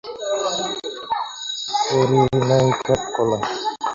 ছুরির ন্যায় খাপখোলা!